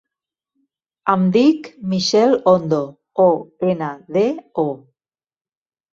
Em dic Michelle Ondo: o, ena, de, o.